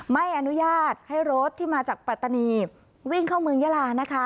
ไม่อนุญาตให้รถที่มาจากปัตตานีวิ่งเข้าเมืองยาลานะคะ